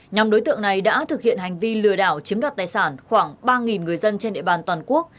nhóm đối tượng này đã thực hiện hành vi lừa đảo chiếm đoạt tài sản khoảng ba người dân trên địa bàn toàn quốc